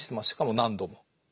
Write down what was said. しかも何度も。